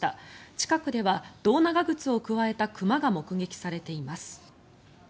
近くでは胴長靴をくわえた熊が目撃されています。